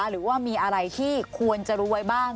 หรือว่ามีอะไรที่ควรจะรู้ไว้บ้าง